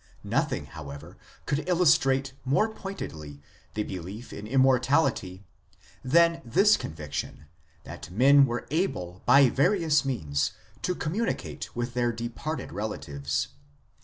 Nothing, however, could illustrate more pointedly the belief in Immortality than this conviction that men were able by various means to communicate with their departed relatives.